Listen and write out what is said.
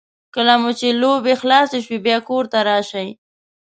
کله مو چې لوبې خلاصې شوې بیا کور ته راشئ.